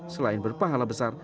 selain berpahala besar